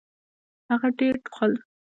هغه ډېر ټوخل .